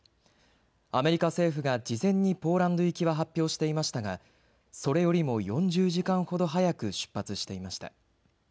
アメリカ政府が事前にポーランド行きは発表していましたがそれよりも４０時間ほど早く出発していました。